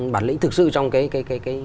bản lĩnh thực sự trong cái